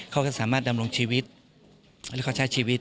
เขาก็จะสามารถดำรงชีวิตและความชาติชีวิต